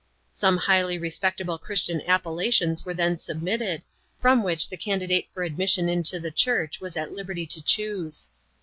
Some highly respectable Christian appelv Litions were then submitted, from which the candidate for ad mission into the church was at liberty to choose.